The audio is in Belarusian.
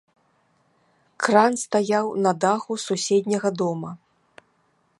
Кран стаяў на даху суседняга дома.